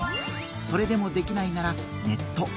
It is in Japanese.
それでもできないならネット。